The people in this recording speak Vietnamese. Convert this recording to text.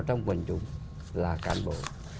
trong quần chủng là cán bộ